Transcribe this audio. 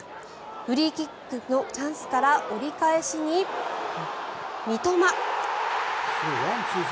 フリーキックのチャンスから折り返しに三笘！